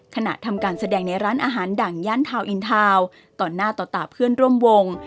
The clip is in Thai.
ขณะทำการแสดงในร้านอาหารดั่งย่านทาวนอินทาวน์ต่อหน้าต่อตาเพื่อนร่วมวง